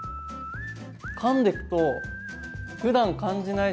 かんでくとふだん感じない